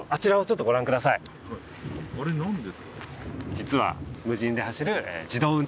実は。